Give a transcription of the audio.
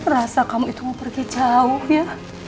rasa kamu itu mau pergi jauh ya